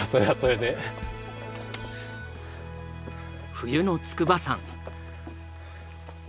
冬の筑波山。